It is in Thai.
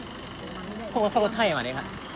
เผาคนที่ขับรถไทยมานี่ค่ะ